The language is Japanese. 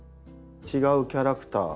違うキャラクター。